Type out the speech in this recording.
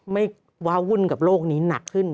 ว้าวุ่นกับโลกนี้หนักขึ้น